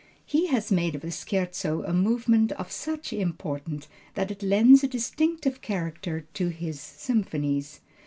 He has made of the Scherzo a movement of such importance that it lends a distinctive character to his symphonies.